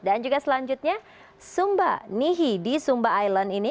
dan juga selanjutnya sumba nihi di sumba island ini